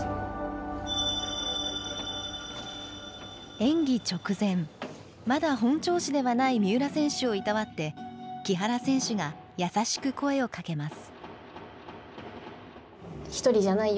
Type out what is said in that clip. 演技直前まだ本調子ではない三浦選手をいたわって木原選手が優しく声をかけます。